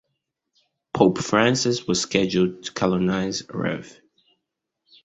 Pope Francis was scheduled to canonize Rev.